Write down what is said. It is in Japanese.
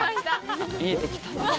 見えてきた。